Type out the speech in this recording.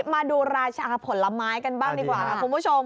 มาดูราชาผลไม้กันบ้างดีกว่าค่ะคุณผู้ชม